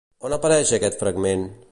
On apareix aquest fragment?